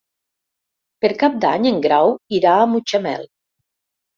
Per Cap d'Any en Grau irà a Mutxamel.